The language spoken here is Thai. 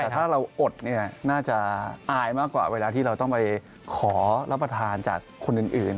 แต่ถ้าเราอดเนี่ยน่าจะอายมากกว่าเวลาที่เราต้องไปขอรับประทานจากคนอื่น